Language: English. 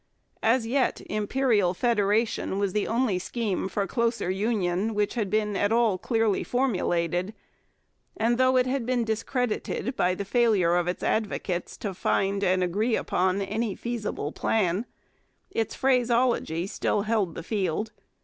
As yet Imperial Federation was the only scheme for closer union which had been at all clearly formulated, and, though it had been discredited by the failure of its advocates to find and agree upon any feasible plan, its phraseology still held the field.